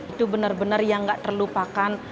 itu bener bener yang nggak terlupakan